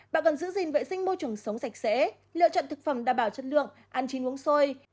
bà còn giữ gìn vệ sinh môi trường sống sạch sẽ lựa chọn thực phẩm đảm bảo chất lượng ăn chín uống sôi